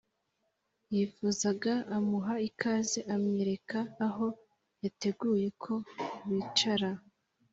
yifuzaga amuha ikaze amwereka aho yateguye ko bicara